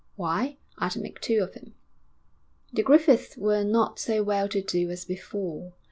Why, I'd make two of him.' The Griffiths were not so well to do as before.